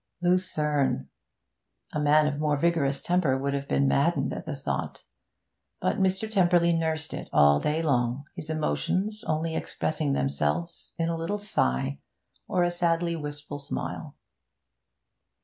Lucerne! A man of more vigorous temper would have been maddened at the thought; but Mr. Tymperley nursed it all day long, his emotions only expressing themselves in a little sigh or a sadly wistful smile.